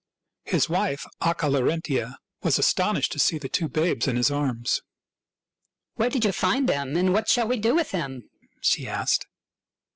His wife, Acca Larentia, was astonished to see the two babes in his arms. "Where did you find them, and what shall we do with them ?" she asked.